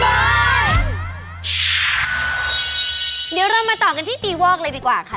เดี๋ยวเรามาต่อกันที่ปีวอกเลยดีกว่าค่ะ